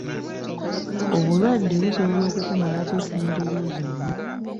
Obulwadde busobola okukumalako ssente zo zonna.